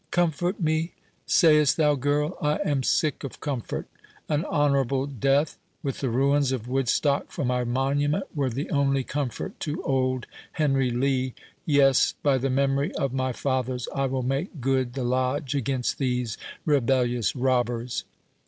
"Comfort me, say'st thou, girl? I am sick of comfort—an honourable death, with the ruins of Woodstock for my monument, were the only comfort to old Henry Lee. Yes, by the memory of my fathers! I will make good the Lodge against these rebellious robbers."